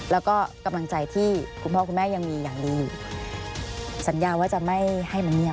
แล้วก็กำลังใจที่คุณพ่อคุณแม่ยังมีอย่างดีอยู่สัญญาว่าจะไม่ให้มันเงียบ